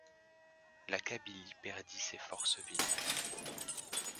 La Kabylie perdit ses forces vives.